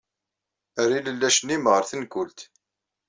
Err ilellac-nnem ɣer tenkult.